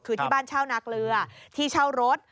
คือที่บ้านเช่านาเกลือที่เช่ารถ